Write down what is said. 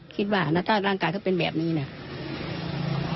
คิดว่านะถ้าร่างกายเขาเป็นแบบนี้เนี่ย